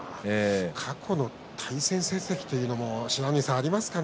過去の対戦成績というのもありますかね